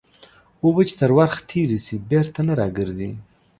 اوبه چې تر ورخ تېري سي بېرته نه راګرځي.